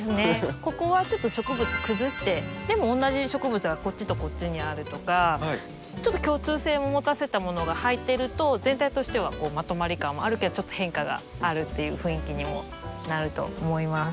ここはちょっと植物崩してでも同じ植物がこっちとこっちにあるとかちょっと共通性も持たせたものが入ってると全体としてはまとまり感はあるけどちょっと変化があるっていう雰囲気にもなると思います。